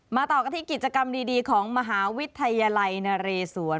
ต่อกันที่กิจกรรมดีของมหาวิทยาลัยนเรศวร